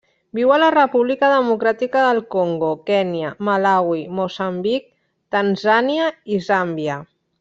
Viu a la República Democràtica del Congo, Kenya, Malawi, Moçambic, Tanzània i Zàmbia.